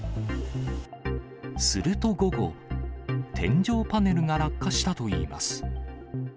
すると午後、天井パネルが落下したといいます。